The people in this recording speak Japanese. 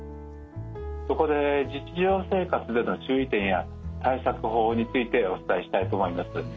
そこで日常生活での注意点や対策法についてお伝えしたいと思います。